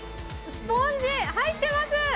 スポンジ、入ってます。